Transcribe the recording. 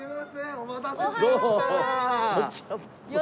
お待たせしました。